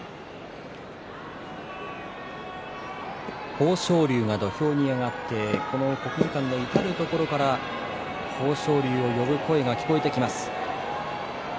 豊昇龍が土俵に上がって国技館の至る所から豊昇龍を呼ぶ声が聞こえてきます。